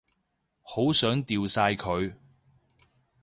好想掉晒佢